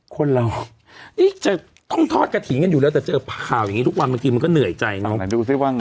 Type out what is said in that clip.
คนเรานี่จะต้องทอดกระถิ่นกันอยู่แล้วแต่เจอข่าวอย่างนี้ทุกวันบางทีมันก็เหนื่อยใจเนอะ